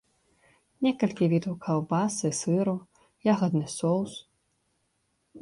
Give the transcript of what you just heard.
Некалькі відаў каўбас і сыру, ягадны соус.